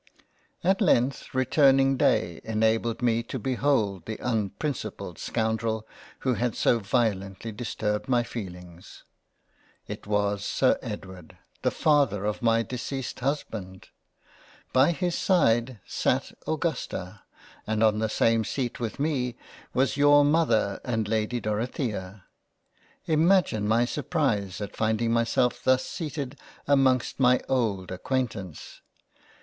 At length, returning Day enabled me to behold the un principled Scoundrel who had so violently disturbed my feelings. It was Sir Edward the father of my Deceased Husband. By his side, sate Augusta, and on the same seat with me were your Mother and Lady Dorothea. Imagine my surprise at finding myself thus seated amongst my old Acquaintance.